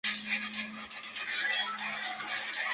Abreviatura de "Ultra eXtended Graphics Array".